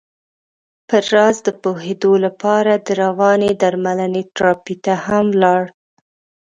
پر راز د پوهېدو لپاره د روانې درملنې تراپۍ ته هم ولاړ.